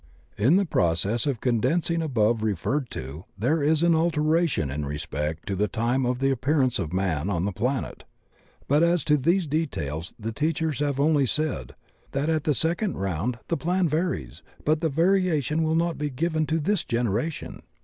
In the process of condensing above referred to there is an alteration in respect to the time of the appearance of man on the planet. But as to these details the teachers have only said, ''that at the Second Round the plan varies, but the variation will not be given to this generation."